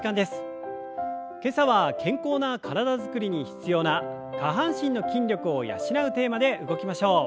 今朝は健康な体づくりに必要な下半身の筋力を養うテーマで動きましょう。